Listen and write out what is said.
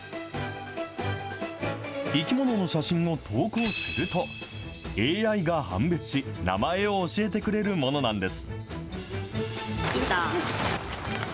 生き物の写真を投稿すると、ＡＩが判別し、名前を教えてくれるものなんです。